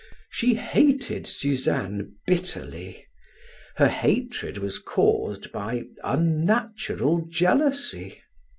She hated Suzanne bitterly; her hatred was caused by unnatural jealousy.